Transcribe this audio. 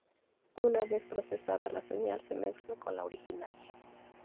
Una vez procesada la señal se mezcla con la original.